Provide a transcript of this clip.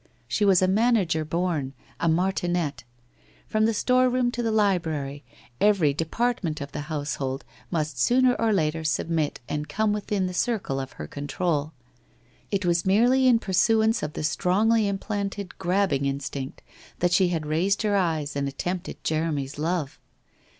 She was a manager born, a martinet. From the storeroom to the library, every department of the household must sooner or later submit and come within the circle of her control. It was merely in pursuance of the strongly implanted grab bing instinct that she had raised her eyes and attempted Jeremy's love.